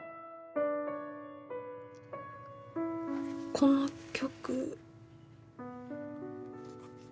この曲。